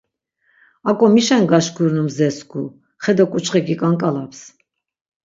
Ak̆o mişen gaşkurinu mzesku? Xe do k̆uçxe gik̆ank̆alaps.